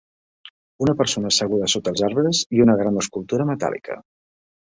Una persona asseguda sota els arbres i una gran escultura metàl·lica.